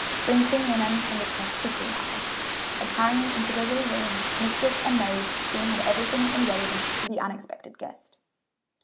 Bring clean linen from the chest quickly, Martha;" and hurrying into the little room, mistress and maid soon had everything in readiness for the unexpected guest.